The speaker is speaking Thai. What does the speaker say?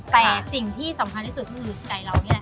แต่สิ่งที่สำคัญที่สุดคือใจเรานี่แหละ